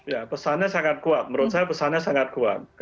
ya pesannya sangat kuat menurut saya pesannya sangat kuat